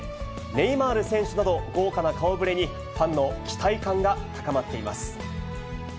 ネイマール選手など、豪華な顔ぶれに、ファンの期待感が高まっています。